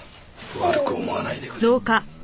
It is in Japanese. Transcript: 悪く思わないでくれ。